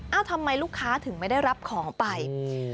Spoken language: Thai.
ทำไมลูกค้าถึงไม่ได้รับของไปอืม